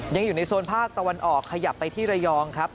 ยังอยู่ในโซนภาคตะวันออกขยับไปที่ระยองครับ